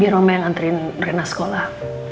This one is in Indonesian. biar mama yang nganterin reina sekolah